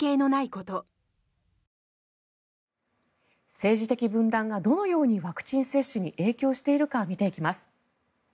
政治的分断がどのようにワクチン接種に影響しているか、見ていきます。